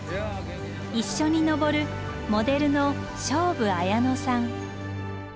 一緒に登るモデルの菖蒲理乃さん。